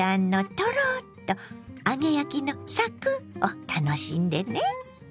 トロッと揚げ焼きのサクッを楽しんでね。